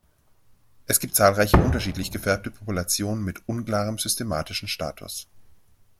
Es gibt zahlreiche unterschiedlich gefärbte Populationen mit unklarem systematischen Status.